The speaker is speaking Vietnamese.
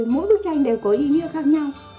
mỗi bức tranh đều có ý nghĩa khác nhau